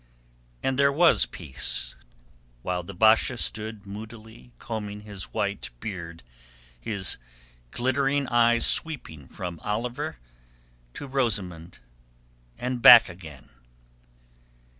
And there was peace whilst the Basha stood moodily combing his white beard, his glittering eyes sweeping from Oliver to Rosamund and back again.